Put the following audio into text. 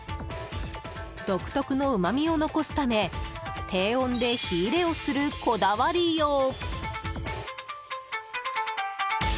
独特のうまみを残すため低温で火入れをするこだわりよう。